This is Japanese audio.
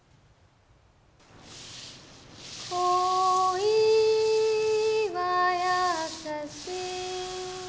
「恋はやさし」